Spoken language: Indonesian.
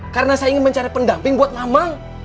karena saya ingin mencari pendamping buat mama